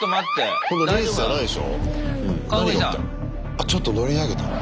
あっちょっと乗り上げたの？